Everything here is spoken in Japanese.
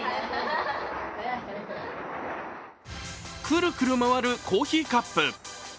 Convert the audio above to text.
くるくる回るコーヒーカップ。